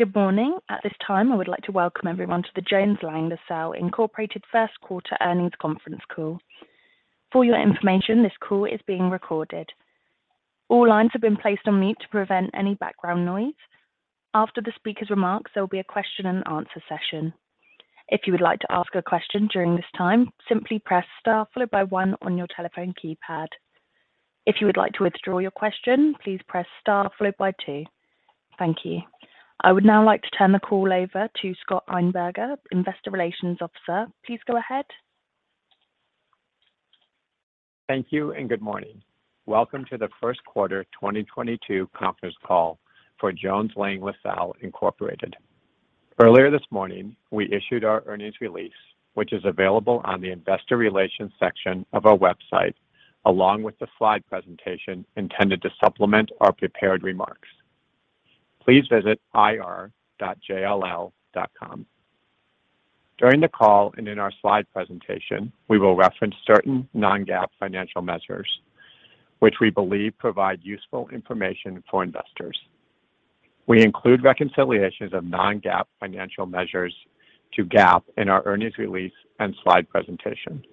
Good morning. At this time, I would like to welcome everyone to the Jones Lang LaSalle Incorporated First Quarter Earnings Conference Call. For your information, this call is being recorded. All lines have been placed on mute to prevent any background noise. After the speaker's remarks, there will be a question and answer session. If you would like to ask a question during this time, simply press Star followed by one on your telephone keypad. If you would like to withdraw your question, please press star followed by two. Thank you. I would now like to turn the call over to Scott Einberger, Investor Relations Officer. Please go ahead. Thank you, and good morning. Welcome to the first quarter 2022 conference call for Jones Lang LaSalle Incorporated. Earlier this morning, we issued our earnings release, which is available on the investor relations section of our website, along with the slide presentation intended to supplement our prepared remarks. Please visit ir.jll.com. During the call and in our slide presentation, we will reference certain non-GAAP financial measures which we believe provide useful information for investors. We include reconciliations of non-GAAP financial measures to GAAP in our earnings release and slide presentation.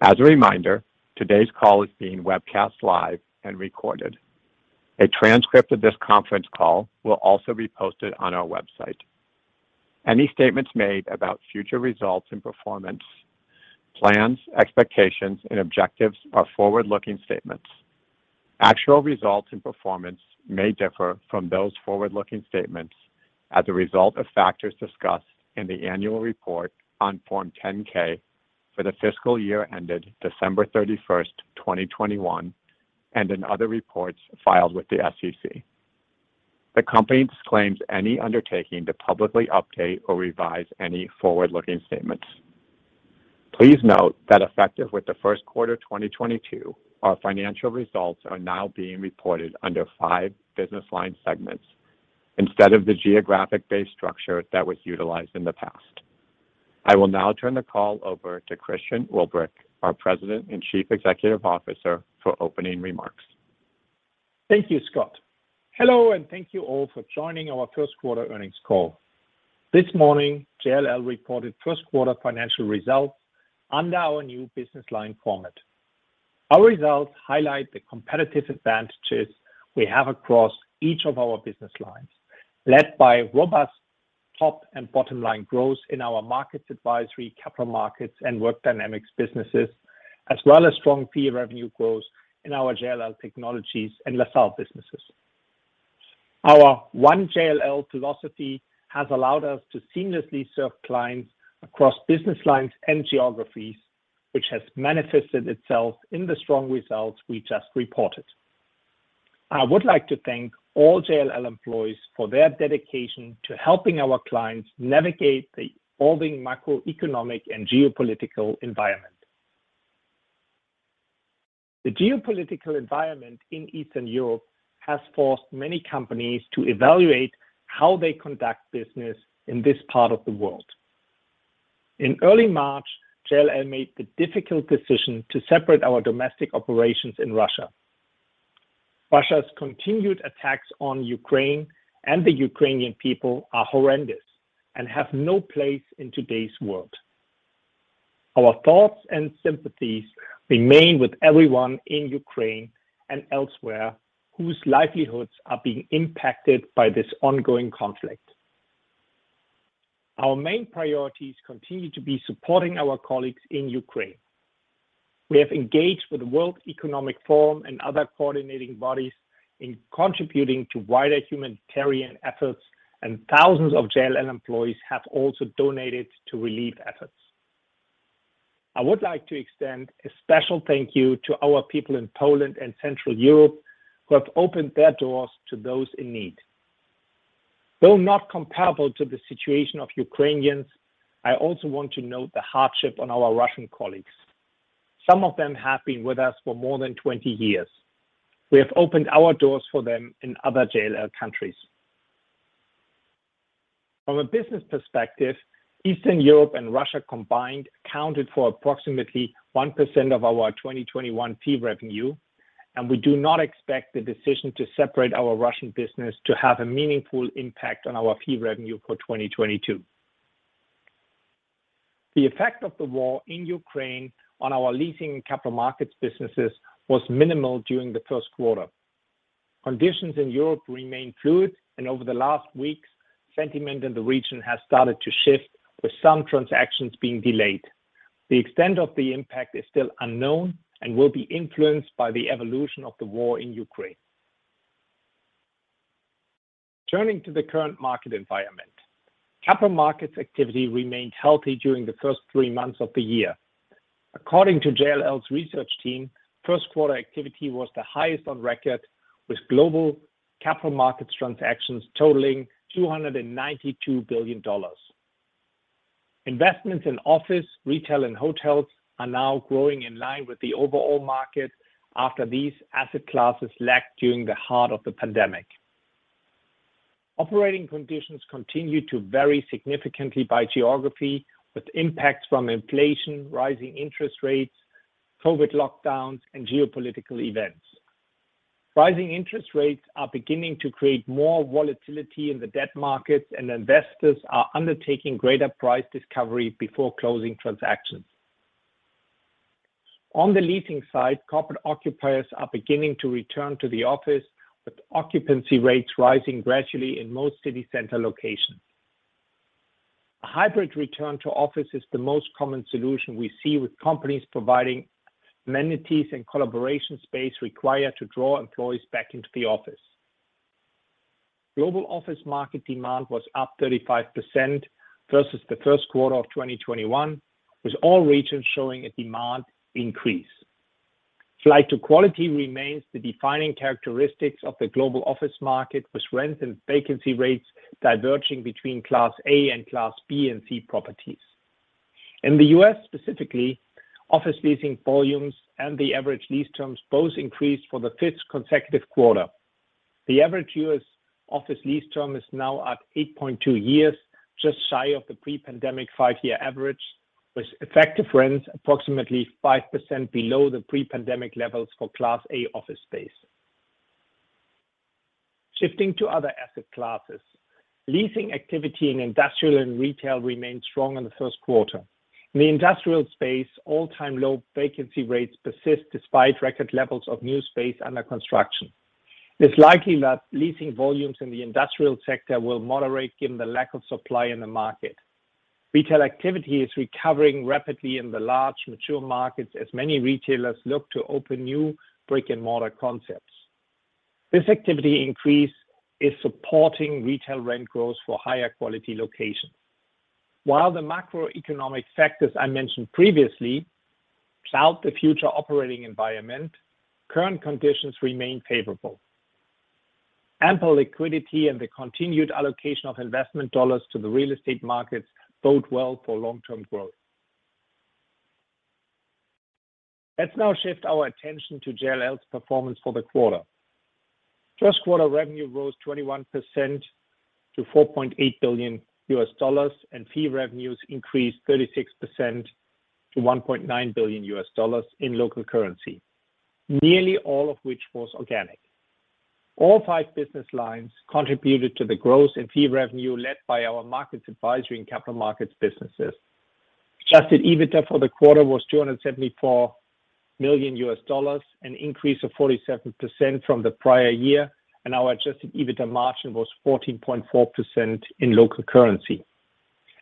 As a reminder, today's call is being webcast live and recorded. A transcript of this conference call will also be posted on our website. Any statements made about future results and performance, plans, expectations and objectives are forward-looking statements. Actual results and performance may differ from those forward-looking statements as a result of factors discussed in the annual report on Form 10-K for the fiscal year ended December 31st, 2021, and in other reports filed with the SEC. The company disclaims any undertaking to publicly update or revise any forward-looking statements. Please note that effective with the first quarter 2022, our financial results are now being reported under five business line segments instead of the geographic based structure that was utilized in the past. I will now turn the call over to Christian Ulbrich, our President and Chief Executive Officer, for opening remarks. Thank you, Scott. Hello, and thank you all for joining our first quarter earnings call. This morning, JLL reported first quarter financial results under our new business line format. Our results highlight the competitive advantages we have across each of our business lines, led by robust top and bottom line growth in our Markets Advisory, Capital Markets, and Work Dynamics businesses, as well as strong fee revenue growth in our JLL Technologies and LaSalle businesses. Our one JLL philosophy has allowed us to seamlessly serve clients across business lines and geographies, which has manifested itself in the strong results we just reported. I would like to thank all JLL employees for their dedication to helping our clients navigate the evolving macroeconomic and geopolitical environment. The geopolitical environment in Eastern Europe has forced many companies to evaluate how they conduct business in this part of the world. In early March, JLL made the difficult decision to separate our domestic operations in Russia. Russia's continued attacks on Ukraine and the Ukrainian people are horrendous and have no place in today's world. Our thoughts and sympathies remain with everyone in Ukraine and elsewhere whose livelihoods are being impacted by this ongoing conflict. Our main priorities continue to be supporting our colleagues in Ukraine. We have engaged with World Economic Forum and other coordinating bodies in contributing to wider humanitarian efforts, and thousands of JLL employees have also donated to relief efforts. I would like to extend a special thank you to our people in Poland and Central Europe who have opened their doors to those in need. Though not comparable to the situation of Ukrainians, I also want to note the hardship on our Russian colleagues. Some of them have been with us for more than 20 years. We have opened our doors for them in other JLL countries. From a business perspective, Eastern Europe and Russia combined accounted for approximately 1% of our 2021 fee revenue, and we do not expect the decision to separate our Russian business to have a meaningful impact on our fee revenue for 2022. The effect of the war in Ukraine on our leasing capital markets businesses was minimal during the first quarter. Conditions in Europe remain fluid, and over the last weeks, sentiment in the region has started to shift, with some transactions being delayed. The extent of the impact is still unknown and will be influenced by the evolution of the war in Ukraine. Turning to the current market environment, capital markets activity remained healthy during the first three months of the year. According to JLL's research team, first quarter activity was the highest on record, with global capital markets transactions totaling $292 billion. Investments in office, retail, and hotels are now growing in line with the overall market after these asset classes lagged during the heart of the pandemic. Operating conditions continue to vary significantly by geography, with impacts from inflation, rising interest rates, COVID lockdowns, and geopolitical events. Rising interest rates are beginning to create more volatility in the debt markets, and investors are undertaking greater price discovery before closing transactions. On the leasing side, corporate occupiers are beginning to return to the office, with occupancy rates rising gradually in most city center locations. A hybrid return to office is the most common solution we see with companies providing amenities and collaboration space required to draw employees back into the office. Global office market demand was up 35% versus the first quarter of 2021, with all regions showing a demand increase. Flight to quality remains the defining characteristics of the global office market, with rent and vacancy rates diverging between Class A and Class B and C properties. In the U.S. specifically, office leasing volumes and the average lease terms both increased for the fifth consecutive quarter. The average U.S. office lease term is now at 8.2 years, just shy of the pre-pandemic five-year average, with effective rents approximately 5% below the pre-pandemic levels for Class A office space. Shifting to other asset classes. Leasing activity in industrial and retail remained strong in the first quarter. In the industrial space, all-time low vacancy rates persist despite record levels of new space under construction. It's likely that leasing volumes in the industrial sector will moderate given the lack of supply in the market. Retail activity is recovering rapidly in the large mature markets as many retailers look to open new brick-and-mortar concepts. This activity increase is supporting retail rent growth for higher quality locations. While the macroeconomic factors I mentioned previously cloud the future operating environment, current conditions remain favorable. Ample liquidity and the continued allocation of investment dollars to the real estate markets bode well for long-term growth. Let's now shift our attention to JLL's performance for the quarter. First quarter revenue rose 21% to $4.8 billion, and fee revenues increased 36% to $1.9 billion in local currency, nearly all of which was organic. All five business lines contributed to the growth in fee revenue led by our Markets Advisory and Capital Markets businesses. Adjusted EBITDA for the quarter was $274 million, an increase of 47% from the prior-year, and our adjusted EBITDA margin was 14.4% in local currency.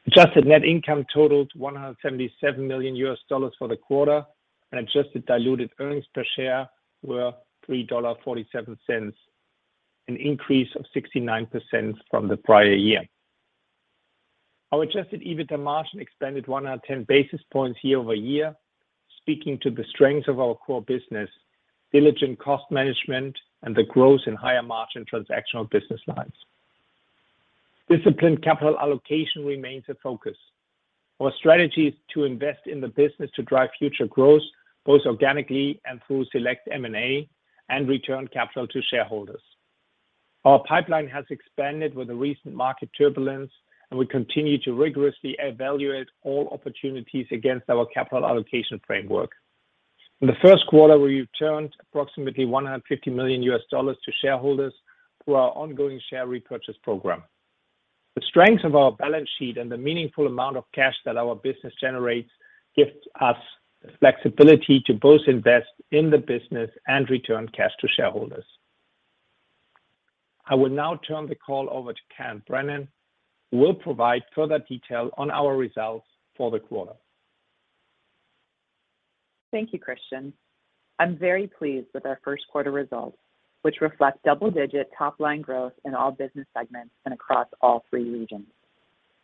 Adjusted net income totaled $177 million for the quarter, and adjusted diluted earnings per share were $3.47, an increase of 69% from the prior-year. Our adjusted EBITDA margin expanded 110 basis points year-over-year, speaking to the strength of our core business, diligent cost management, and the growth in higher margin transactional business lines. Disciplined capital allocation remains a focus. Our strategy is to invest in the business to drive future growth, both organically and through select M&A, and return capital to shareholders. Our pipeline has expanded with the recent market turbulence, and we continue to rigorously evaluate all opportunities against our capital allocation framework. In the first quarter, we returned approximately $150 million to shareholders through our ongoing share repurchase program. The strength of our balance sheet and the meaningful amount of cash that our business generates gives us the flexibility to both invest in the business and return cash to shareholders. I will now turn the call over to Karen Brennan, who will provide further detail on our results for the quarter. Thank you, Christian. I'm very pleased with our first quarter results, which reflect double-digit top-line growth in all business segments and across all three regions.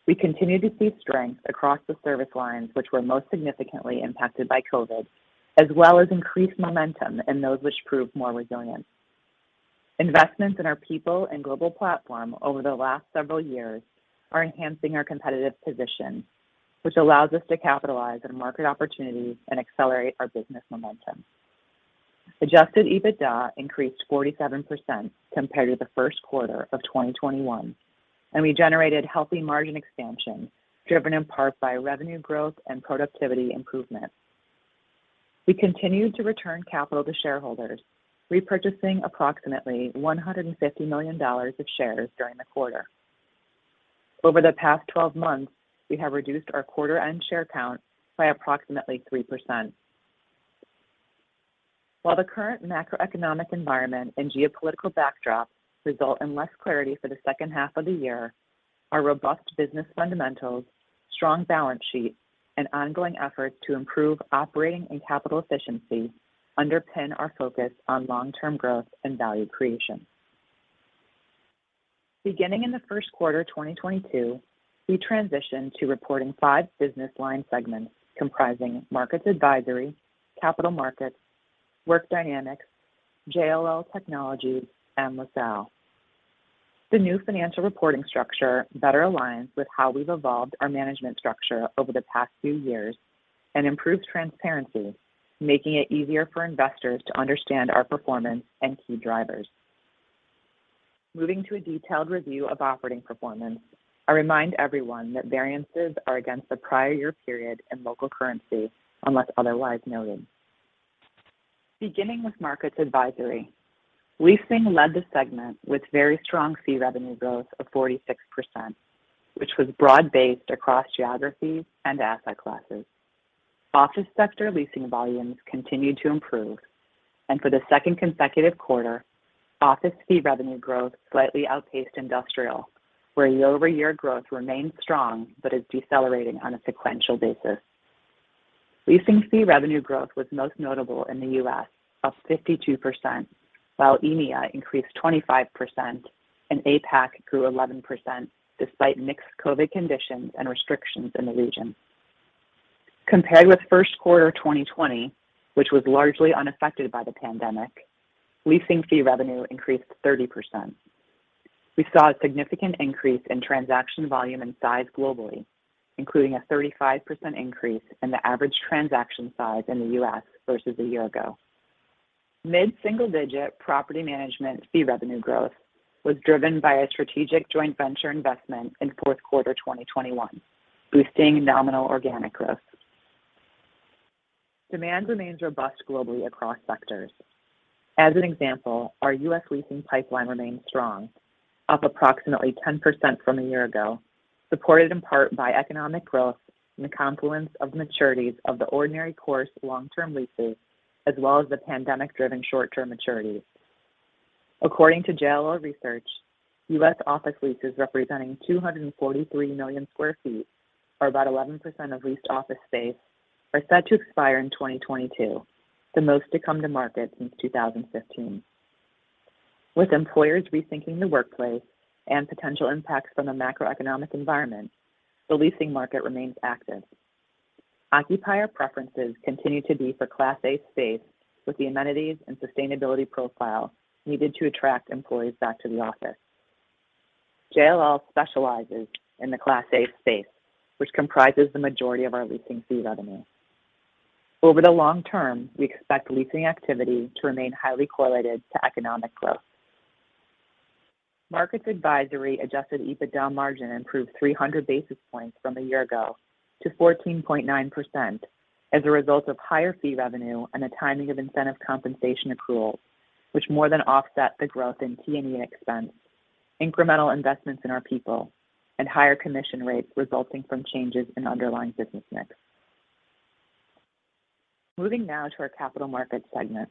We continue to see strength across the service lines which were most significantly impacted by COVID, as well as increased momentum in those which proved more resilient. Investments in our people and global platform over the last several years are enhancing our competitive position, which allows us to capitalize on market opportunities and accelerate our business momentum. Adjusted EBITDA increased 47% compared to the first quarter of 2021, and we generated healthy margin expansion, driven in part by revenue growth and productivity improvement. We continued to return capital to shareholders, repurchasing approximately $150 million of shares during the quarter. Over the past 12 months, we have reduced our quarter end share count by approximately 3%. While the current macroeconomic environment and geopolitical backdrop result in less clarity for the second half of the year, our robust business fundamentals, strong balance sheet, and ongoing efforts to improve operating and capital efficiency underpin our focus on long-term growth and value creation. Beginning in the first quarter 2022, we transitioned to reporting five business line segments comprising Markets Advisory, Capital Markets, Work Dynamics, JLL Technologies, and LaSalle. The new financial reporting structure better aligns with how we've evolved our management structure over the past few years and improves transparency, making it easier for investors to understand our performance and key drivers. Moving to a detailed review of operating performance, I remind everyone that variances are against the prior-year period in local currency unless otherwise noted. Beginning with Markets Advisory, leasing led the segment with very strong fee revenue growth of 46%, which was broad-based across geographies and asset classes. Office sector leasing volumes continued to improve. For the second consecutive quarter, office fee revenue growth slightly outpaced industrial, where year-over-year growth remains strong but is decelerating on a sequential basis. Leasing fee revenue growth was most notable in the U.S., up 52%, while EMEA increased 25% and APAC grew 11% despite mixed COVID conditions and restrictions in the region. Compared with first quarter 2020, which was largely unaffected by the pandemic, leasing fee revenue increased 30%. We saw a significant increase in transaction volume and size globally, including a 35% increase in the average transaction size in the U.S. versus a year ago. Mid-single digit property management fee revenue growth was driven by a strategic joint venture investment in fourth quarter 2021, boosting nominal organic growth. Demand remains robust globally across sectors. As an example, our U.S. leasing pipeline remains strong, up approximately 10% from a year ago, supported in part by economic growth and the confluence of maturities of the ordinary course long-term leases, as well as the pandemic-driven short-term maturities. According to JLL Research, U.S. office leases representing 243 million sq ft, or about 11% of leased office space, are set to expire in 2022, the most to come to market since 2015. With employers rethinking the workplace and potential impacts from the macroeconomic environment, the leasing market remains active. Occupier preferences continue to be for Class A space with the amenities and sustainability profile needed to attract employees back to the office. JLL specializes in the Class A space, which comprises the majority of our leasing fee revenue. Over the long term, we expect leasing activity to remain highly correlated to economic growth. Markets Advisory Adjusted EBITDA margin improved 300 basis points from a year ago to 14.9% as a result of higher fee revenue and the timing of incentive compensation accruals, which more than offset the growth in T&E expense, incremental investments in our people, and higher commission rates resulting from changes in underlying business mix. Moving now to our Capital Markets segment.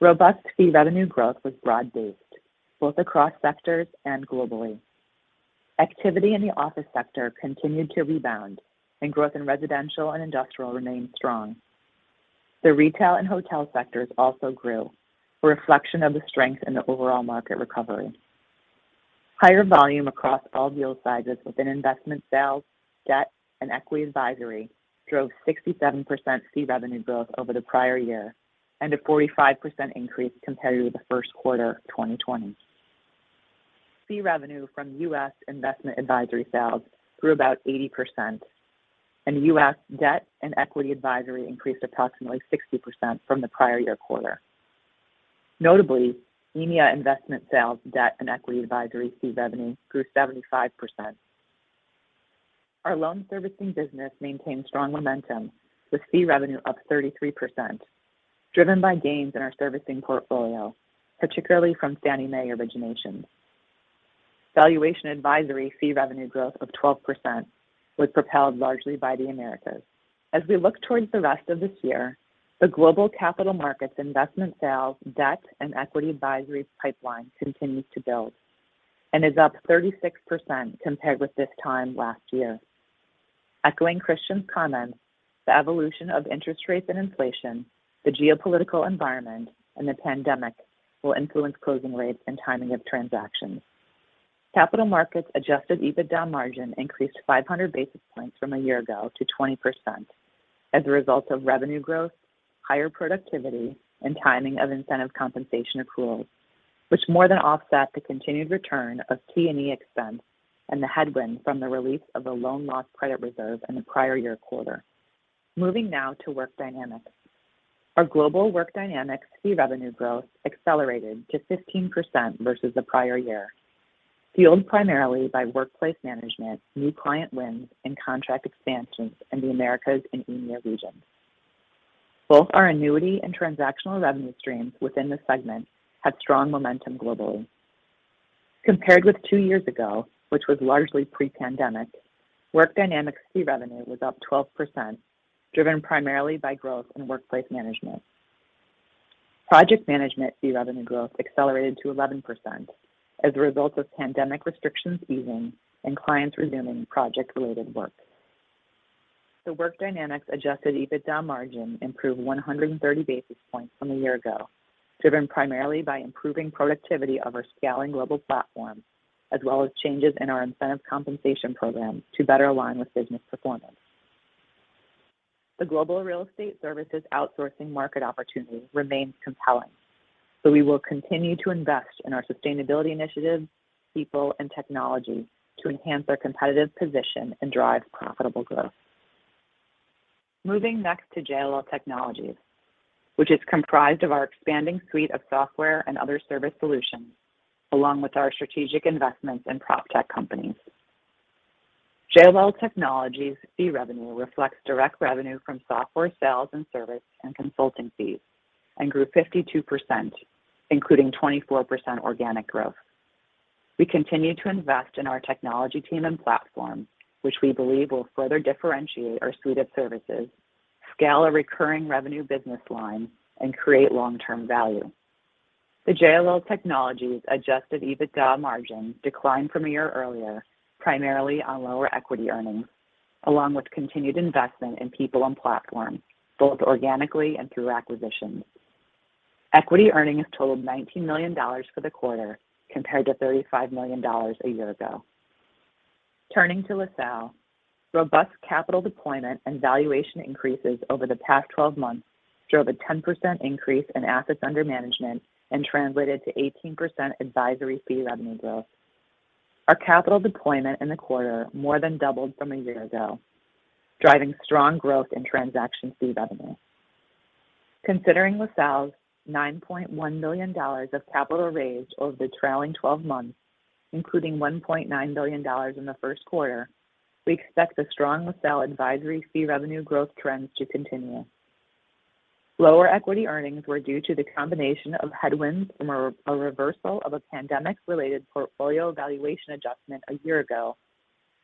Robust fee revenue growth was broad-based, both across sectors and globally. Activity in the office sector continued to rebound, and growth in residential and industrial remained strong. The retail and hotel sectors also grew, a reflection of the strength in the overall market recovery. Higher volume across all deal sizes within investment sales, debt, and equity advisory drove 67% fee revenue growth over the prior year, and a 45% increase compared with the first quarter 2020. Fee revenue from U.S. investment advisory sales grew about 80%, and U.S. debt and equity advisory increased approximately 60% from the prior-year quarter. Notably, EMEA investment sales, debt, and equity advisory fee revenue grew 75%. Our loan servicing business maintained strong momentum, with fee revenue up 33%, driven by gains in our servicing portfolio, particularly from Fannie Mae originations. Valuation advisory fee revenue growth of 12% was propelled largely by the Americas. As we look towards the rest of this year, the Global Capital Markets investment sales, debt, and equity advisory pipeline continues to build and is up 36% compared with this time last year. Echoing Christian's comments, the evolution of interest rates and inflation, the geopolitical environment, and the pandemic will influence closing rates and timing of transactions. Capital Markets Adjusted EBITDA margin increased 500 basis points from a year ago to 20% as a result of revenue growth, higher productivity, and timing of incentive compensation accruals, which more than offset the continued return of T&E expense and the headwind from the release of the loan loss credit reserve in the prior-year quarter. Moving now to Work Dynamics. Our global Work Dynamics fee revenue growth accelerated to 15% versus the prior-year, fueled primarily by Workplace Management, new client wins, and contract expansions in the Americas and EMEA regions. Both our annuity and transactional revenue streams within the segment had strong momentum globally. Compared with two years ago, which was largely pre-pandemic, Work Dynamics fee revenue was up 12%, driven primarily by growth in Workplace Management. Project Management fee revenue growth accelerated to 11% as a result of pandemic restrictions easing and clients resuming project-related work. The Work Dynamics Adjusted EBITDA margin improved 130 basis points from a year ago, driven primarily by improving productivity of our scaling global platform, as well as changes in our incentive compensation program to better align with business performance. The global real estate services outsourcing market opportunity remains compelling, so we will continue to invest in our sustainability initiatives, people, and technology to enhance our competitive position and drive profitable growth. Moving next to JLL Technologies, which is comprised of our expanding suite of software and other service solutions, along with our strategic investments in proptech companies. JLL Technologies fee revenue reflects direct revenue from software sales and service and consulting fees, and grew 52%, including 24% organic growth. We continue to invest in our technology team and platform, which we believe will further differentiate our suite of services, scale a recurring revenue business line, and create long-term value. The JLL Technologies Adjusted EBITDA margin declined from a year earlier, primarily on lower equity earnings, along with continued investment in people and platform, both organically and through acquisitions. Equity earnings totaled $19 million for the quarter compared to $35 million a year ago. Turning to LaSalle. Robust capital deployment and valuation increases over the past twelve months drove a 10% increase in assets under management and translated to 18% advisory fee revenue growth. Our capital deployment in the quarter more than doubled from a year ago, driving strong growth in transaction fee revenue. Considering LaSalle's $9.1 million of capital raised over the trailing twelve months, including $1.9 billion in the first quarter, we expect the strong LaSalle advisory fee revenue growth trends to continue. Lower equity earnings were due to the combination of headwinds from a reversal of a pandemic related portfolio valuation adjustment a year ago,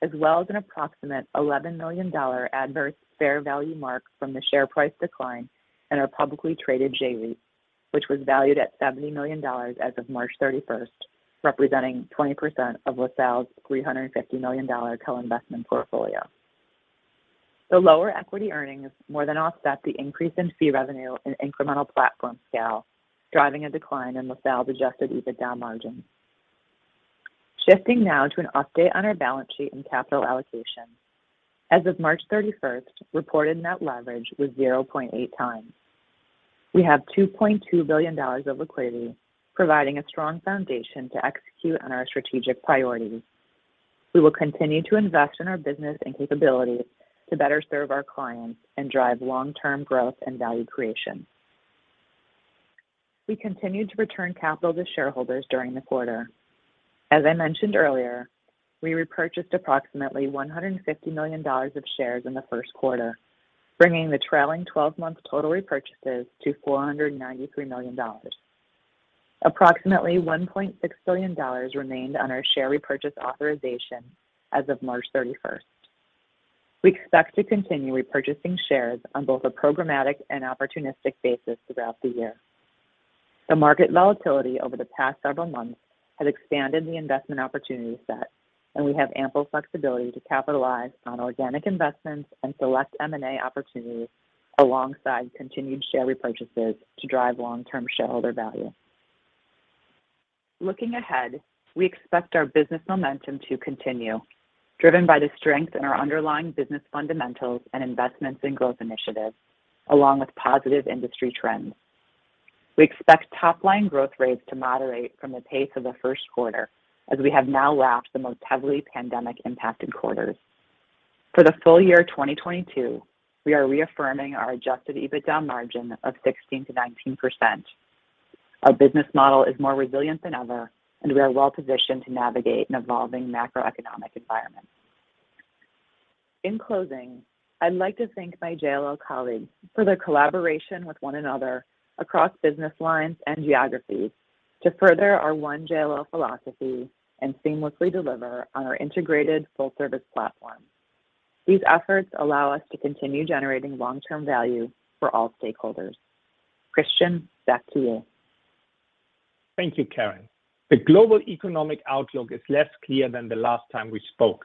as well as an approximate $11 million adverse fair value mark from the share price decline in our publicly traded J-REIT, which was valued at $70 million as of March 31st, representing 20% of LaSalle's $350 million co-investment portfolio. The lower equity earnings more than offset the increase in fee revenue and incremental platform scale, driving a decline in LaSalle's Adjusted EBITDA margin. Shifting now to an update on our balance sheet and capital allocation. As of March 31st, reported net leverage was 0.8 times. We have $2.2 billion of liquidity, providing a strong foundation to execute on our strategic priorities. We will continue to invest in our business and capabilities to better serve our clients and drive long-term growth and value creation. We continued to return capital to shareholders during the quarter. As I mentioned earlier, we repurchased approximately $150 million of shares in the first quarter, bringing the trailing 12 month total repurchases to $493 million. Approximately $1.6 billion remained on our share repurchase authorization as of March 31st. We expect to continue repurchasing shares on both a programmatic and opportunistic basis throughout the year. The market volatility over the past several months has expanded the investment opportunity set, and we have ample flexibility to capitalize on organic investments and select M&A opportunities alongside continued share repurchases to drive long-term shareholder value. Looking ahead, we expect our business momentum to continue, driven by the strength in our underlying business fundamentals and investments in growth initiatives, along with positive industry trends. We expect top line growth rates to moderate from the pace of the first quarter as we have now lapped the most heavily pandemic impacted quarters. For the full-year 2022, we are reaffirming our Adjusted EBITDA margin of 16%-19%. Our business model is more resilient than ever, and we are well positioned to navigate an evolving macroeconomic environment. In closing, I'd like to thank my JLL colleagues for their collaboration with one another across business lines and geographies to further our one JLL philosophy and seamlessly deliver on our integrated full service platform. These efforts allow us to continue generating long-term value for all stakeholders. Christian, back to you. Thank you, Karen. The global economic outlook is less clear than the last time we spoke.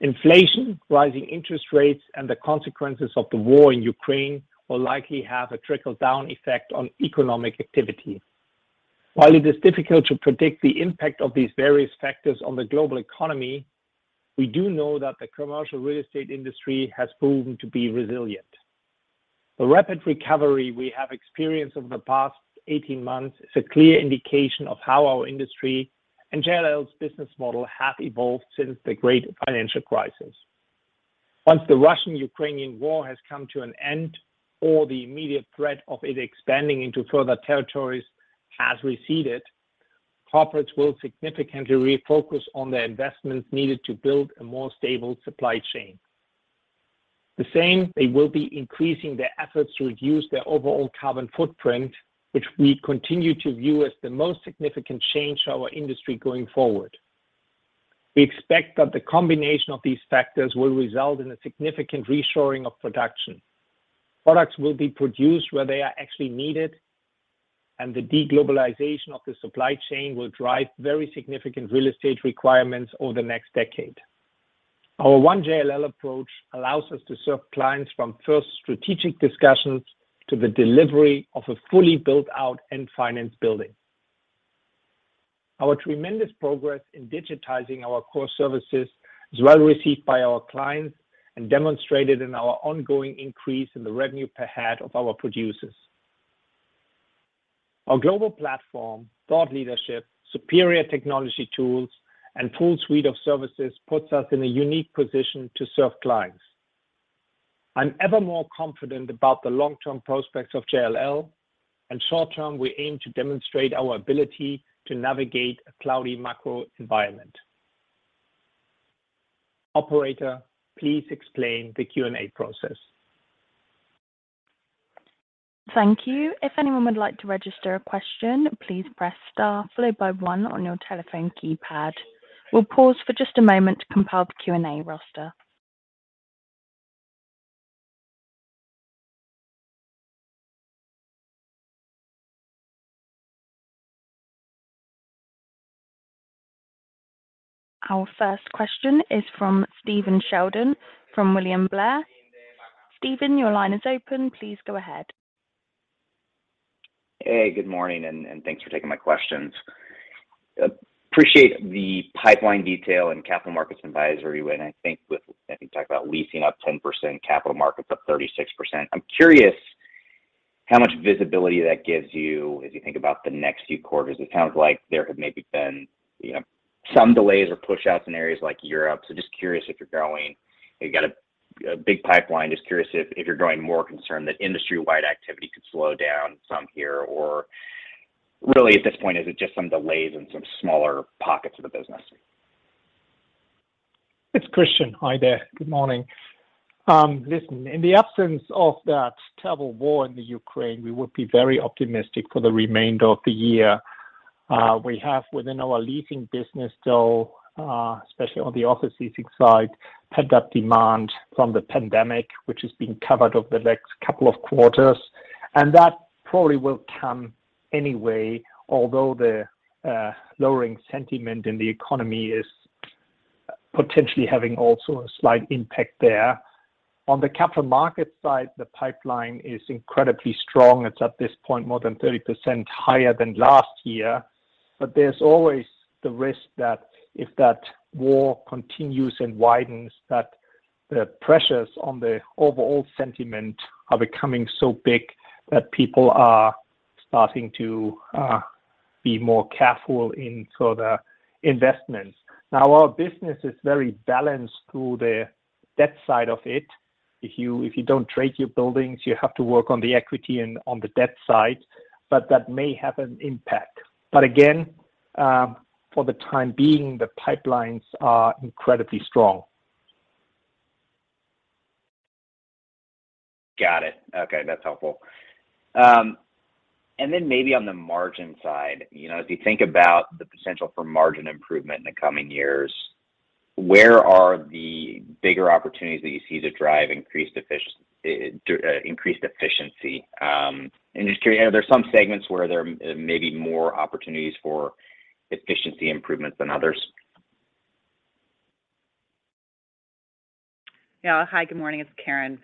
Inflation, rising interest rates, and the consequences of the war in Ukraine will likely have a trickle-down effect on economic activity. While it is difficult to predict the impact of these various factors on the global economy, we do know that the commercial real estate industry has proven to be resilient. The rapid recovery we have experienced over the past 18 months is a clear indication of how our industry and JLL's business model have evolved since the great financial crisis. Once the Russian-Ukrainian war has come to an end, or the immediate threat of it expanding into further territories has receded, corporates will significantly refocus on the investments needed to build a more stable supply chain. The same, they will be increasing their efforts to reduce their overall carbon footprint, which we continue to view as the most significant change to our industry going forward. We expect that the combination of these factors will result in a significant reshoring of production. Products will be produced where they are actually needed, and the de-globalization of the supply chain will drive very significant real estate requirements over the next decade. Our one JLL approach allows us to serve clients from first strategic discussions to the delivery of a fully built out and financed building. Our tremendous progress in digitizing our core services is well received by our clients and demonstrated in our ongoing increase in the revenue per head of our producers. Our global platform, thought leadership, superior technology tools, and full suite of services puts us in a unique position to serve clients. I'm ever more confident about the long-term prospects of JLL, and short-term, we aim to demonstrate our ability to navigate a cloudy macro environment. Operator, please explain the Q&A process. Thank you. If anyone would like to register a question, please press star followed by one on your telephone keypad. We'll pause for just a moment to compile the Q&A roster. Our first question is from Stephen Sheldon from William Blair. Stephen, your line is open. Please go ahead. Hey, good morning, and thanks for taking my questions. Appreciate the pipeline detail and Capital Markets advisory. I think you talked about leasing up 10%, Capital Markets up 36%. I'm curious how much visibility that gives you as you think about the next few quarters. It sounds like there have maybe been, you know, some delays or pushouts in areas like Europe. Just curious if you're growing. You got a big pipeline. Just curious if you're growing more concerned that industry-wide activity could slow down some here, or really at this point, is it just some delays in some smaller pockets of the business? It's Christian. Hi there. Good morning. Listen, in the absence of that terrible war in the Ukraine, we would be very optimistic for the remainder of the year. We have within our leasing business though, especially on the office leasing side, pent-up demand from the pandemic, which is being covered over the next couple of quarters. That probably will come anyway, although the lowering sentiment in the economy is potentially having also a slight impact there. On the Capital Markets side, the pipeline is incredibly strong. It's at this point more than 30% higher than last year. There's always the risk that if that war continues and widens, that the pressures on the overall sentiment are becoming so big that people are starting to be more careful in sort of investments. Now, our business is very balanced through the debt side of it. If you don't trade your buildings, you have to work on the equity and on the debt side, but that may have an impact. Again, for the time being, the pipelines are incredibly strong. Got it. Okay. That's helpful. Maybe on the margin side, you know, if you think about the potential for margin improvement in the coming years, where are the bigger opportunities that you see to drive increased efficiency in the industry? Are there some segments where there may be more opportunities for efficiency improvements than others? Yeah. Hi, good morning. It's Karen.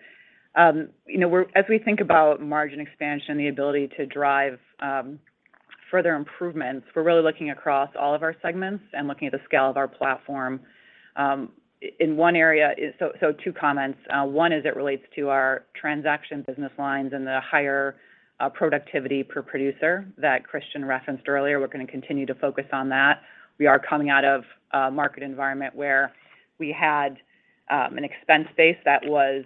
You know, as we think about margin expansion, the ability to drive further improvements, we're really looking across all of our segments and looking at the scale of our platform. In one area, so two comments. One as it relates to our transaction business lines and the higher productivity per producer that Christian referenced earlier. We're gonna continue to focus on that. We are coming out of a market environment where we had an expense base that was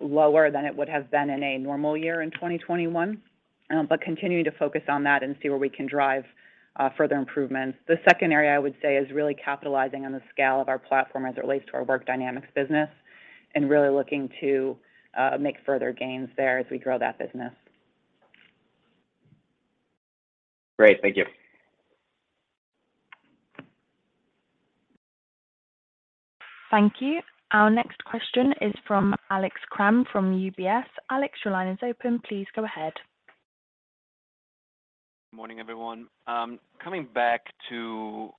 lower than it would have been in a normal year in 2021. Continuing to focus on that and see where we can drive further improvements. The second area I would say is really capitalizing on the scale of our platform as it relates to our Work Dynamics business and really looking to make further gains there as we grow that business. Great. Thank you. Thank you. Our next question is from Alex Kramm from UBS. Alex, your line is open. Please go ahead. Morning, everyone. Coming back to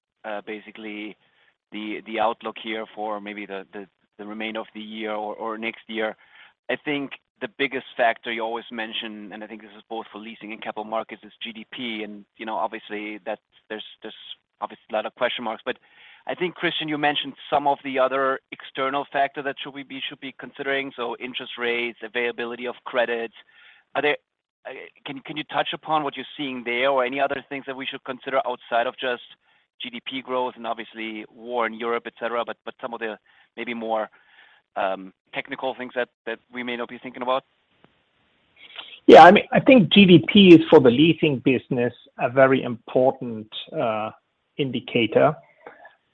basically the outlook here for maybe the remainder of the year or next year. I think the biggest factor you always mention, and I think this is both for leasing and capital markets, is GDP. You know, obviously that's. There's obviously a lot of question marks. I think, Christian, you mentioned some of the other external factors that we should be considering. Interest rates, availability of credit. Can you touch upon what you're seeing there or any other things that we should consider outside of just GDP growth and obviously war in Europe, et cetera, but some of the maybe more technical things that we may not be thinking about? Yeah. I mean, I think GDP is, for the leasing business, a very important indicator.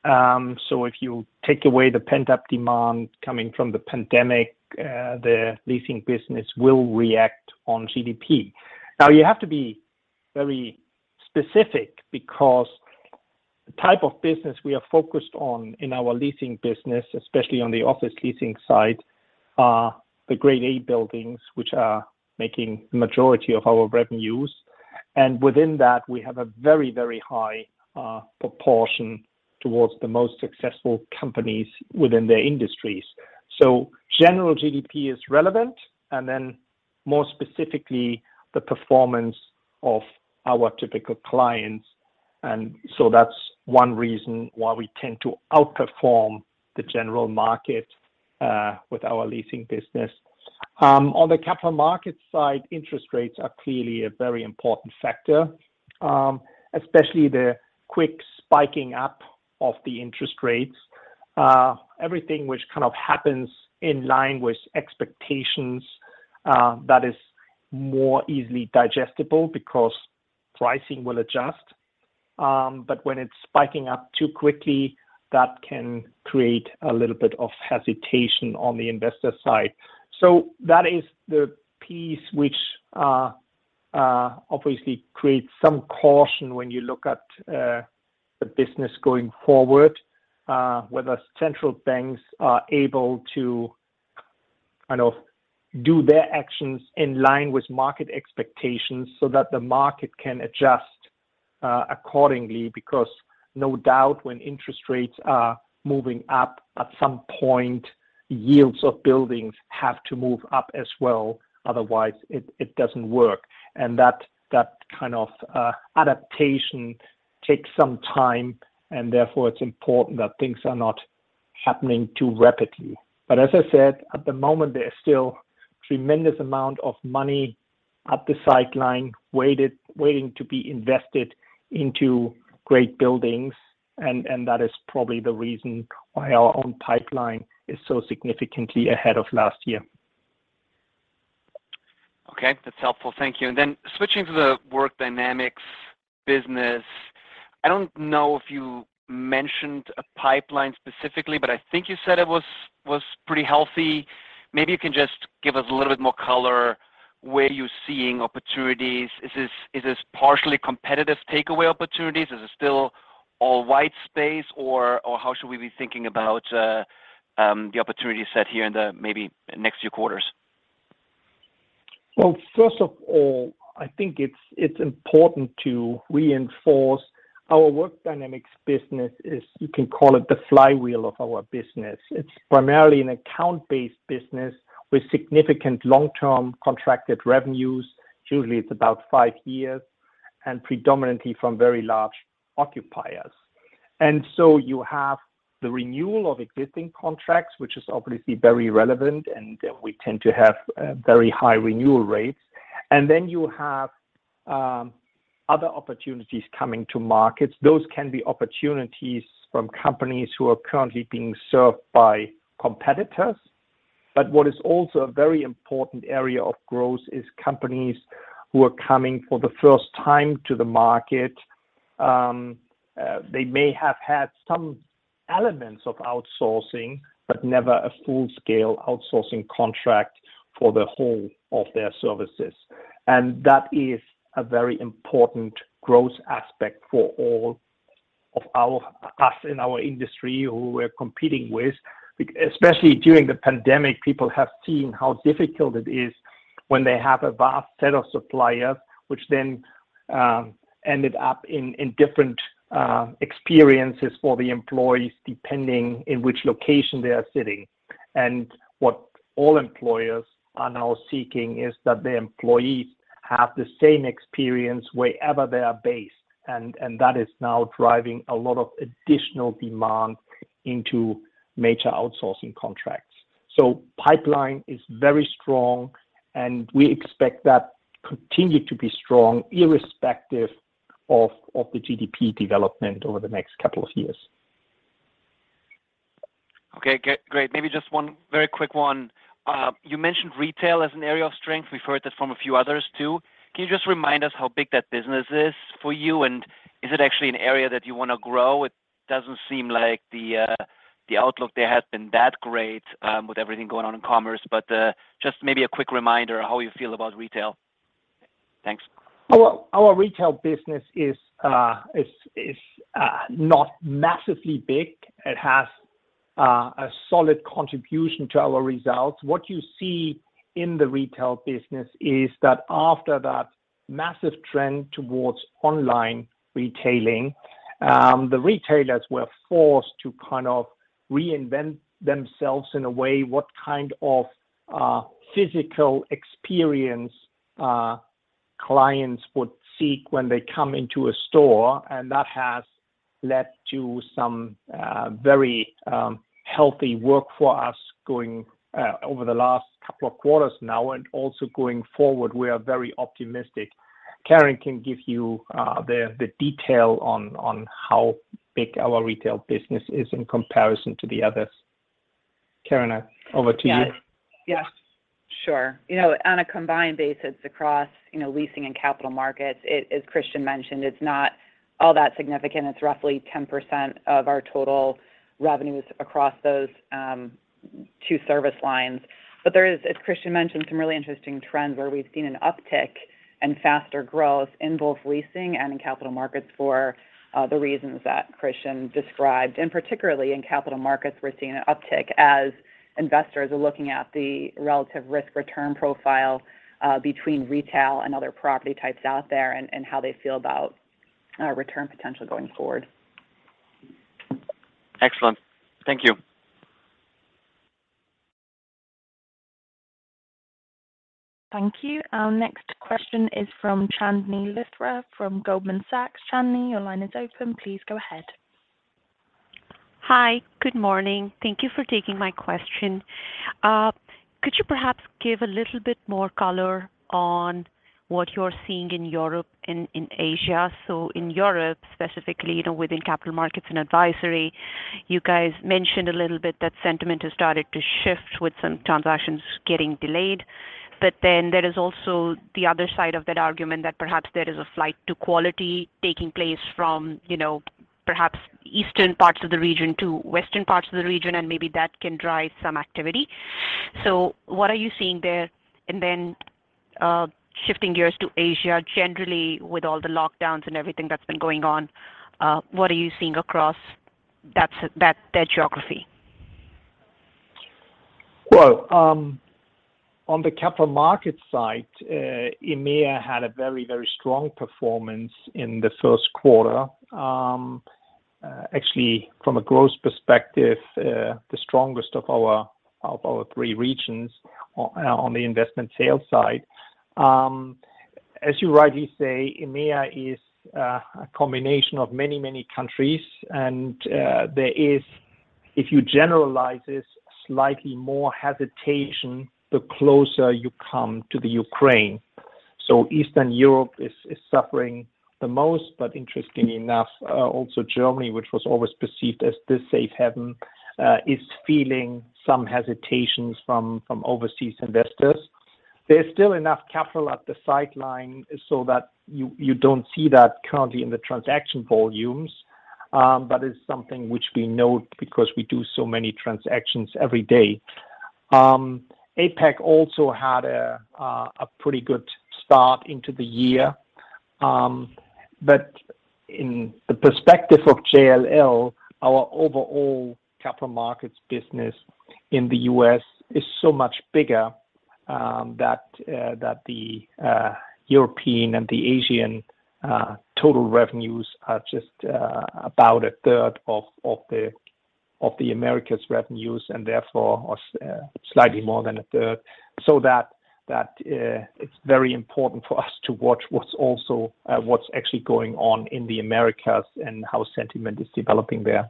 If you take away the pent-up demand coming from the pandemic, the leasing business will react on GDP. Now, you have to be very specific because the type of business we are focused on in our leasing business, especially on the office leasing side, are the grade A buildings which are making the majority of our revenues. Within that, we have a very, very high proportion towards the most successful companies within their industries. General GDP is relevant, and then more specifically, the performance of our typical clients. That's one reason why we tend to outperform the general market with our leasing business. On the Capital Markets side, interest rates are clearly a very important factor, especially the quick spiking up of the interest rates. Everything which kind of happens in line with expectations, that is more easily digestible because pricing will adjust. When it's spiking up too quickly, that can create a little bit of hesitation on the investor side. That is the piece which obviously creates some caution when you look at the business going forward. Whether central banks are able to do their actions in line with market expectations so that the market can adjust accordingly. Because no doubt, when interest rates are moving up, at some point, yields of buildings have to move up as well. Otherwise it doesn't work. that kind of adaptation takes some time, and therefore it's important that things are not happening too rapidly. as I said, at the moment, there is still tremendous amount of money on the sidelines waiting to be invested into great buildings. that is probably the reason why our own pipeline is so significantly ahead of last year. Okay. That's helpful. Thank you. Switching to the Work Dynamics business. I don't know if you mentioned a pipeline specifically, but I think you said it was pretty healthy. Maybe you can just give us a little bit more color. Where are you seeing opportunities? Is this partially competitive takeaway opportunities? Is it still all white space, or how should we be thinking about the opportunity set here in the maybe next few quarters? Well, first of all, I think it's important to reinforce our Work Dynamics business is you can call it the flywheel of our business. It's primarily an account-based business with significant long-term contracted revenues. Usually, it's about five years and predominantly from very large occupiers. You have the renewal of existing contracts, which is obviously very relevant, and we tend to have very high renewal rates. You have other opportunities coming to markets. Those can be opportunities from companies who are currently being served by competitors. What is also a very important area of growth is companies who are coming for the first time to the market. They may have had some elements of outsourcing, but never a full-scale outsourcing contract for the whole of their services. That is a very important growth aspect for all of us in our industry who we're competing with. Especially during the pandemic, people have seen how difficult it is when they have a vast set of suppliers, which then ended up in different experiences for the employees, depending on which location they are sitting. That is now driving a lot of additional demand into major outsourcing contracts. Pipeline is very strong, and we expect that continue to be strong irrespective of the GDP development over the next couple of years. Okay. Great. Maybe just one very quick one. You mentioned retail as an area of strength. We've heard that from a few others too. Can you just remind us how big that business is for you, and is it actually an area that you wanna grow? It doesn't seem like the outlook there has been that great, with everything going on in commerce. Just maybe a quick reminder how you feel about retail. Thanks. Well, our retail business is not massively big. It has a solid contribution to our results. What you see in the retail business is that after that massive trend towards online retailing, the retailers were forced to kind of reinvent themselves in a way what kind of physical experience clients would seek when they come into a store. That has led to some very healthy work for us going over the last couple of quarters now and also going forward. We are very optimistic. Karen can give you the detail on how big our retail business is in comparison to the others. Karen, over to you. Yes. Sure. You know, on a combined basis across, you know, leasing and Capital Markets, it, as Christian mentioned, it's not all that significant. It's roughly 10% of our total revenues across those two service lines. But there is, as Christian mentioned, some really interesting trends where we've seen an uptick and faster growth in both leasing and in Capital Markets for the reasons that Christian described. Particularly in Capital Markets, we're seeing an uptick as investors are looking at the relative risk-return profile between retail and other property types out there and how they feel about return potential going forward. Excellent. Thank you. Thank you. Our next question is from Chandni Luthra from Goldman Sachs. Chandni, your line is open. Please go ahead. Hi. Good morning. Thank you for taking my question. Could you perhaps give a little bit more color on what you're seeing in Europe and in Asia? In Europe, specifically, you know, within Capital Markets and advisory, you guys mentioned a little bit that sentiment has started to shift with some transactions getting delayed. There is also the other side of that argument that perhaps there is a flight to quality taking place from, you know, perhaps eastern parts of the region to western parts of the region, and maybe that can drive some activity. What are you seeing there? Shifting gears to Asia, generally with all the lockdowns and everything that's been going on, what are you seeing across that geography? Well, on the Capital Markets side, EMEA had a very strong performance in the first quarter. Actually, from a growth perspective, the strongest of our three regions on the Investment Sales side. As you rightly say, EMEA is a combination of many countries. There is, if you generalize this, slightly more hesitation the closer you come to the Ukraine. Eastern Europe is suffering the most, but interestingly enough, also Germany, which was always perceived as the safe haven, is feeling some hesitations from overseas investors. There's still enough capital on the sidelines so that you don't see that currently in the transaction volumes, but it's something which we note because we do so many transactions every day. APAC also had a pretty good start into the year. In the perspective of JLL, our overall Capital Markets business in the U.S. is so much bigger that the European and the Asian total revenues are just about a third of the Americas revenues and therefore or slightly more than a third. That it's very important for us to watch what's actually going on in the Americas and how sentiment is developing there.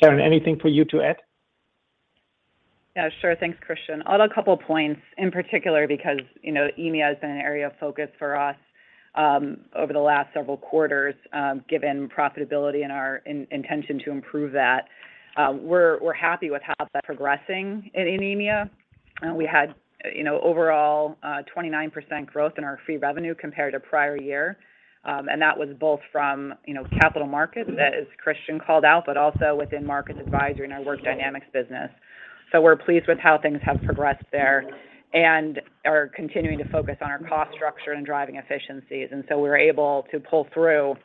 Karen, anything for you to add? Yeah, sure. Thanks, Christian. On a couple of points, in particular because, you know, EMEA has been an area of focus for us over the last several quarters, given profitability and our intention to improve that. We're happy with how that's progressing in EMEA. We had, you know, overall, 29% growth in our fee revenue compared to prior year. That was both from, you know, Capital Markets, as Christian called out, but also within Markets Advisory and our Work Dynamics business. We're pleased with how things have progressed there and are continuing to focus on our cost structure and driving efficiencies. We're able to pull through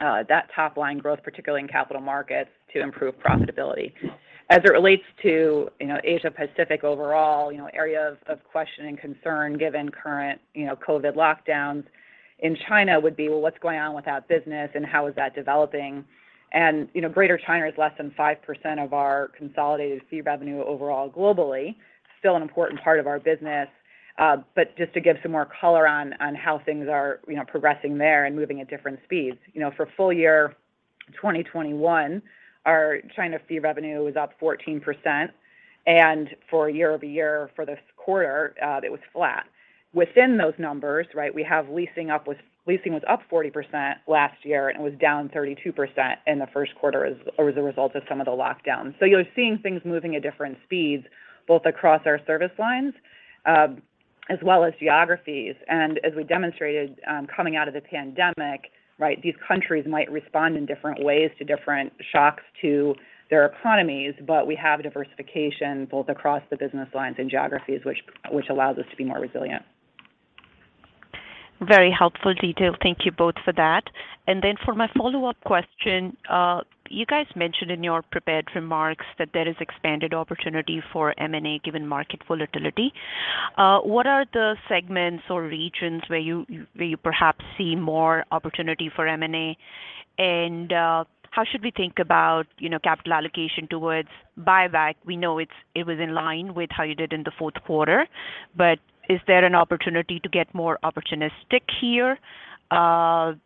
that top line growth, particularly in Capital Markets, to improve profitability. As it relates to, you know, Asia-Pacific overall, you know, area of question and concern given current, you know, COVID lockdowns in China would be what's going on with that business and how is that developing. You know, Greater China is less than 5% of our consolidated fee revenue overall globally. Still an important part of our business, but just to give some more color on how things are, you know, progressing there and moving at different speeds. You know, for full-year 2021, our China fee revenue was up 14%, and for year over year for this quarter, it was flat. Within those numbers, right, we have leasing was up 40% last year and was down 32% in the first quarter as a result of some of the lockdowns. You're seeing things moving at different speeds, both across our service lines, as well as geographies. As we demonstrated, coming out of the pandemic, right, these countries might respond in different ways to different shocks to their economies, but we have diversification both across the business lines and geographies, which allows us to be more resilient. Very helpful detail. Thank you both for that. For my follow-up question, you guys mentioned in your prepared remarks that there is expanded opportunity for M&A given market volatility. What are the segments or regions where you perhaps see more opportunity for M&A? How should we think about, you know, capital allocation towards buyback? We know it was in line with how you did in the fourth quarter. Is there an opportunity to get more opportunistic here,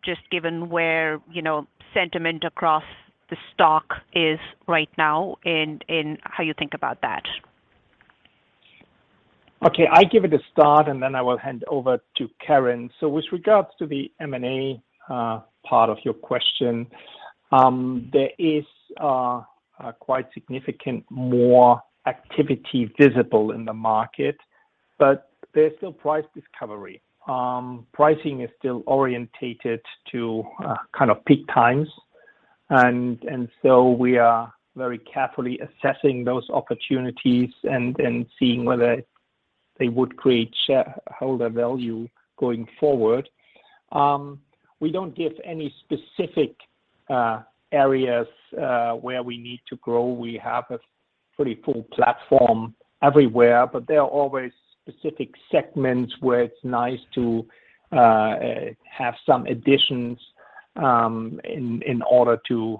just given where, you know, sentiment across the stock is right now and how you think about that? Okay. I give it a start, and then I will hand over to Karen. With regards to the M&A part of your question, there is a quite significant more activity visible in the market, but there's still price discovery. Pricing is still oriented to kind of peak times. And so we are very carefully assessing those opportunities and seeing whether they would create shareholder value going forward. We don't give any specific areas where we need to grow. We have a pretty full platform everywhere, but there are always specific segments where it's nice to have some additions. In order to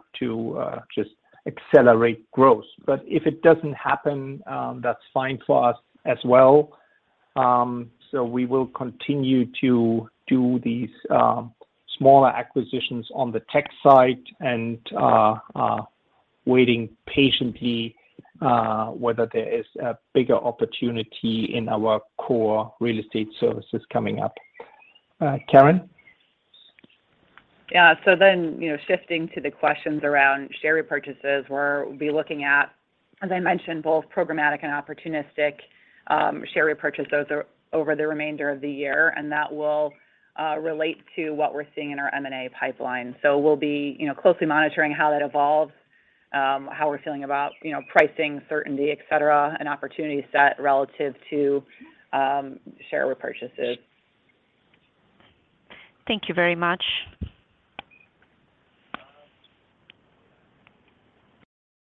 just accelerate growth. But if it doesn't happen, that's fine for us as well. We will continue to do these smaller acquisitions on the tech side and waiting patiently whether there is a bigger opportunity in our core real estate services coming up. Karen. Yeah, you know, shifting to the questions around share repurchases, we'll be looking at, as I mentioned, both programmatic and opportunistic share repurchases over the remainder of the year, and that will relate to what we're seeing in our M&A pipeline. We'll be, you know, closely monitoring how that evolves, how we're feeling about, you know, pricing certainty, et cetera, and opportunity set relative to share repurchases. Thank you very much.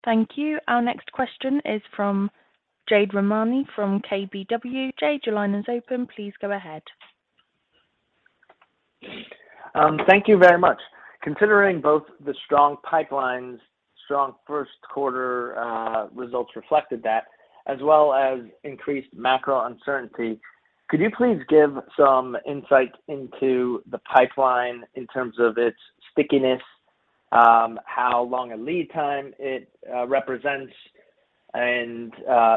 Thank you. Our next question is from Jade Rahmani from KBW. Jade, your line is open. Please go ahead. Thank you very much. Considering both the strong pipelines, strong first quarter, results reflected that, as well as increased macro uncertainty, could you please give some insight into the pipeline in terms of its stickiness, how long a lead time it represents, and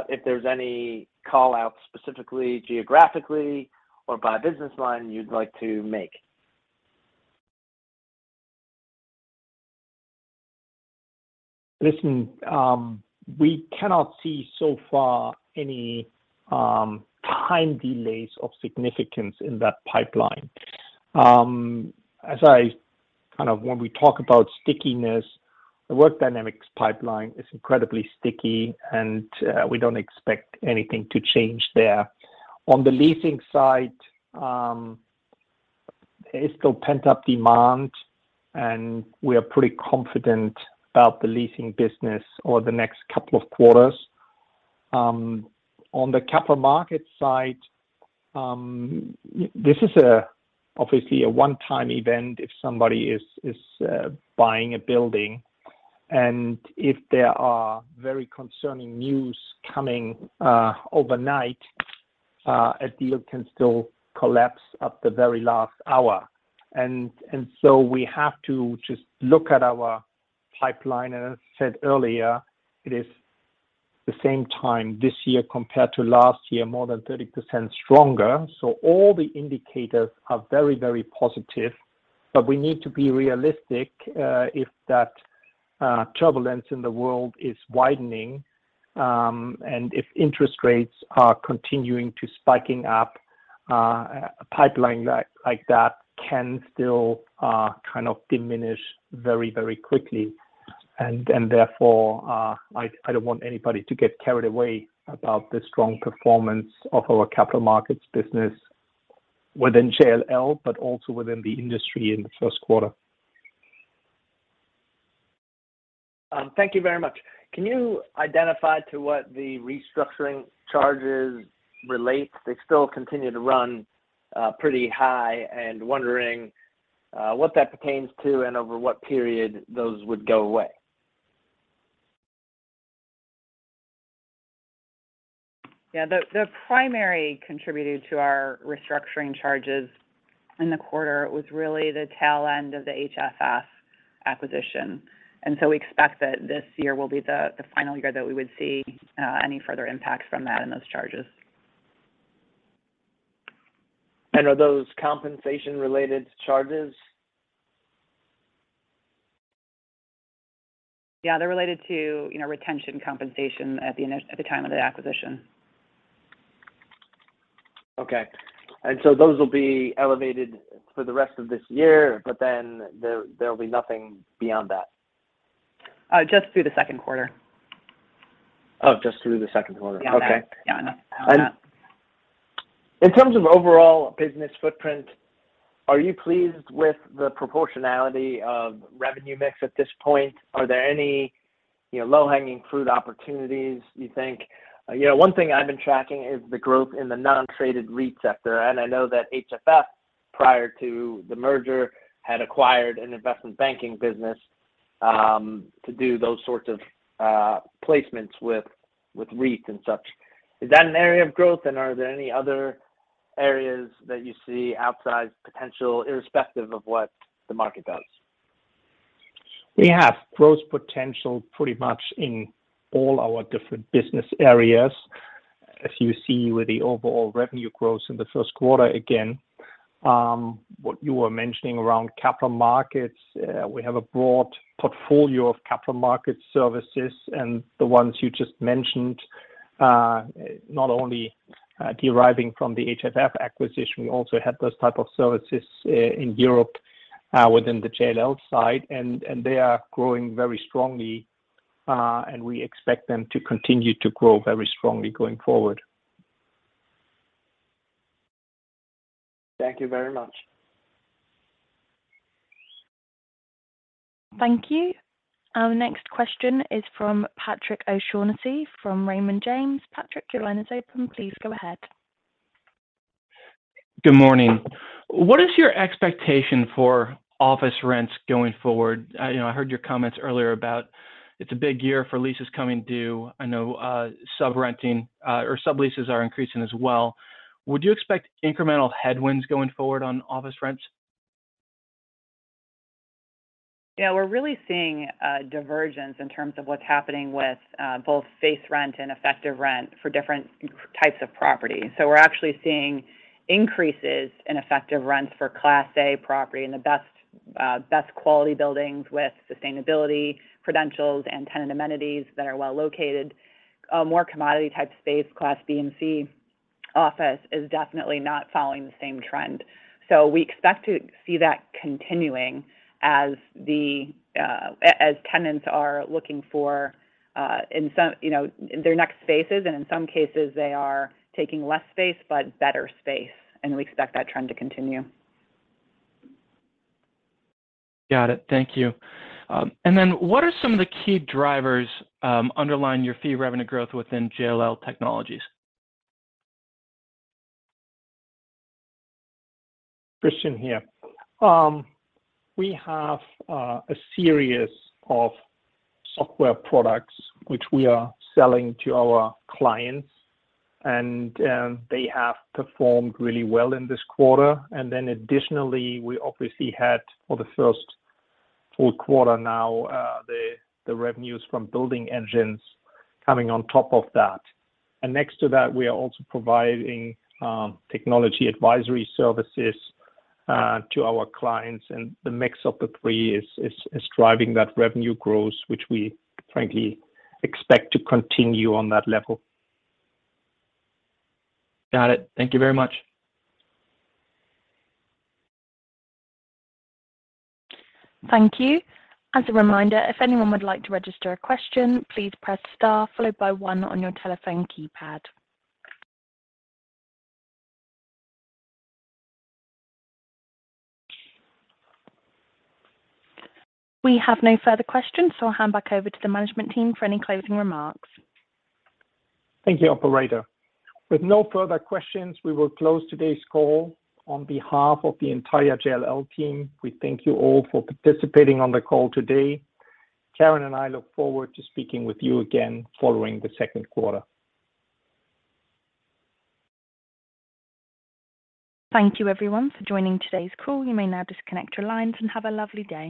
if there's any call-outs specifically geographically or by business line you'd like to make? Listen, we cannot see so far any time delays of significance in that pipeline. When we talk about stickiness, the Work Dynamics pipeline is incredibly sticky, and we don't expect anything to change there. On the leasing side, there is still pent-up demand, and we are pretty confident about the leasing business over the next couple of quarters. On the Capital Markets side, this is obviously a one-time event if somebody is buying a building, and if there are very concerning news coming overnight, a deal can still collapse at the very last hour. We have to just look at our pipeline. As I said earlier, it is the same time this year compared to last year, more than 30% stronger. All the indicators are very, very positive. We need to be realistic, if that turbulence in the world is widening, and if interest rates are continuing to spiking up, a pipeline like that can still kind of diminish very, very quickly. Therefore, I don't want anybody to get carried away about the strong performance of our Capital Markets business within JLL, but also within the industry in the first quarter. Thank you very much. Can you identify to what the restructuring charges relate? They still continue to run pretty high, and wondering what that pertains to and over what period those would go away. Yeah. The primary contributor to our restructuring charges in the quarter was really the tail end of the HFF acquisition. We expect that this year will be the final year that we would see any further impacts from that in those charges. Are those compensation-related charges? Yeah. They're related to, you know, retention compensation at the time of the acquisition. Okay. Those will be elevated for the rest of this year, but then there'll be nothing beyond that? Just through the second quarter. Oh, just through the second quarter. Yeah. Okay. Yeah. Yeah. In terms of overall business footprint, are you pleased with the proportionality of revenue mix at this point? Are there any, you know, low-hanging fruit opportunities you think? You know, one thing I've been tracking is the growth in the non-traded REIT sector, and I know that HFF, prior to the merger, had acquired an investment banking business, to do those sorts of placements with REITs and such. Is that an area of growth, and are there any other areas that you see outsized potential, irrespective of what the market does? We have growth potential pretty much in all our different business areas, as you see with the overall revenue growth in the first quarter. Again, what you were mentioning around Capital Markets, we have a broad portfolio of Capital Markets services. The ones you just mentioned, not only deriving from the HFF acquisition, we also have those type of services in Europe, within the JLL side, and they are growing very strongly, and we expect them to continue to grow very strongly going forward. Thank you very much. Thank you. Our next question is from Patrick O'Shaughnessy from Raymond James. Patrick, your line is open. Please go ahead. Good morning. What is your expectation for office rents going forward? You know, I heard your comments earlier about it's a big year for leases coming due. I know, sub-renting or subleases are increasing as well. Would you expect incremental headwinds going forward on office rents? Yeah. We're really seeing a divergence in terms of what's happening with both base rent and effective rent for different types of properties. We're actually seeing increases in effective rents for Class A property in the best quality buildings with sustainability credentials and tenant amenities that are well located. A more commodity type space, Class B and C office is definitely not following the same trend. We expect to see that continuing as tenants are looking for, in some, you know, their next spaces, and in some cases they are taking less space but better space, and we expect that trend to continue. Got it. Thank you. What are some of the key drivers underlying your fee revenue growth within JLL Technologies? Christian here. We have a series of software products which we are selling to our clients, and they have performed really well in this quarter. Additionally, we obviously had for the first full quarter now, the revenues from Building Engines coming on top of that. Next to that, we are also providing technology advisory services to our clients. The mix of the three is driving that revenue growth, which we frankly expect to continue on that level. Got it. Thank you very much. Thank you. As a reminder, if anyone would like to register a question, please press star followed by one on your telephone keypad. We have no further questions, so I'll hand back over to the management team for any closing remarks. Thank you, operator. With no further questions, we will close today's call. On behalf of the entire JLL team, we thank you all for participating on the call today. Karen and I look forward to speaking with you again following the second quarter. Thank you everyone for joining today's call. You may now disconnect your lines and have a lovely day.